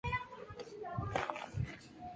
Antoine nació en Port St.